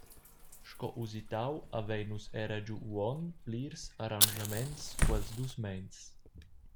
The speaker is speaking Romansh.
Sco uistau havein nus era giu uonn plirs arranschaments quels dus meins.